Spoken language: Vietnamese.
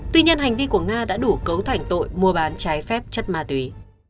tuy nhiên hành vi của nga đã đủ cấu thành tội mua bán trái phép chất ma túy